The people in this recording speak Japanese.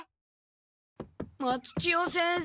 松千代先生！